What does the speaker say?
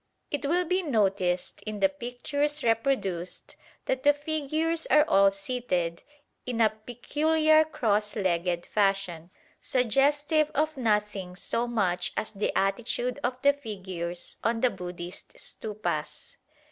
It will be noticed in the pictures reproduced that the figures are all seated in a peculiar cross legged fashion, suggestive of nothing so much as the attitude of the figures on the Buddhist stupas.